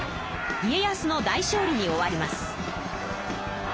家康の大勝利に終わります。